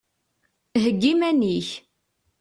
Heyyi iman-ik!